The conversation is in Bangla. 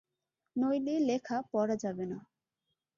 নইলে লেখা পড়া যাবে না।